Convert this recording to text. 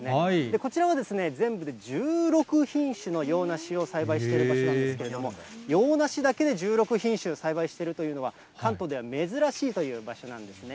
こちらは、全部で１６品種の洋梨を栽培している場所なんですけれども、洋梨だけで１６品種栽培しているというのは、関東では珍しいという場所なんですね。